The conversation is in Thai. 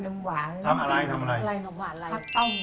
หนูกินเผ็ดเฉยได้ไม่ต้องมัดก็ได้ค่ะ